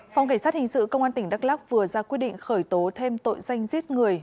phòng cảnh sát hình sự công an tỉnh đắk lắc vừa ra quyết định khởi tố thêm tội danh giết người